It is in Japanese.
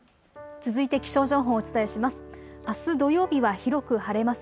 続いて気象情報をお伝えします。